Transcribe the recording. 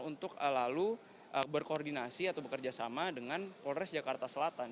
untuk lalu berkoordinasi atau bekerjasama dengan polres jakarta selatan